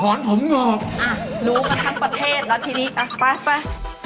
ถอนผมเหงาออกอ่ะรู้ทั้งประเทศน็อตทีนี้อ่ะไปไป